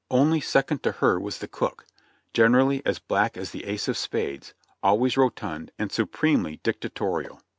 Only second to her was the cook, generally as black as the ace of spades ; always rotund, and supremely dictatorial.